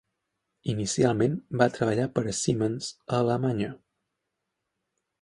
Inicialment va treballar per a Siemens a Alemanya.